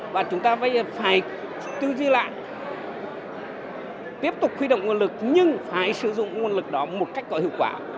và chúng ta phải tư duy lại tiếp tục huy động nguồn lực nhưng phải sử dụng nguồn lực đó một cách có hiệu quả